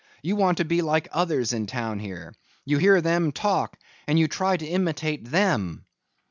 You want to be like others in town here. You hear them talk and you try to imitate them."